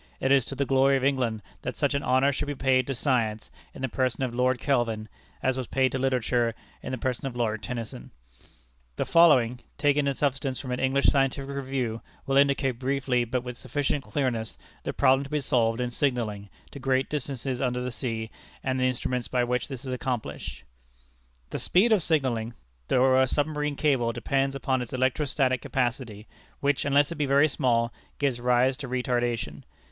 It is to the glory of England that such an honor should be paid to science in the person of Lord Kelvin, as was paid to literature in the person of Lord Tennyson. The following, taken in substance from an English scientific review, will indicate briefly, but with sufficient clearness, the problem to be solved in signalling to great distances under the sea, and the instruments by which this is accomplished: The speed of signalling through a submarine cable depends upon its electrostatic capacity, which, unless it be very small, gives rise to "retardation."